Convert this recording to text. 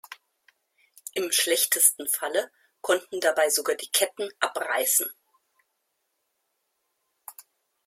Im schlechtesten Falle konnten dabei sogar die Ketten abreißen.